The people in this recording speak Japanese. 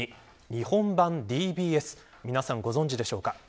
日本版ＤＢＳ皆さん、ご存じでしょうか。